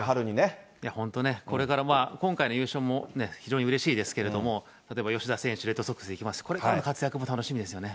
本当ね、これから、今回の優勝も非常にうれしいですけれども、例えば吉田選手、レッドソックスいきます、これからの活躍も楽しみですよね。